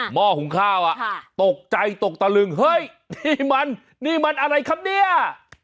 ห้อหุงข้าวอ่ะตกใจตกตะลึงเฮ้ยนี่มันนี่มันอะไรครับเนี่ย